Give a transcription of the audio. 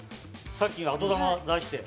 さっきの後球出して。